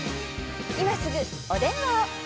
今すぐお電話を！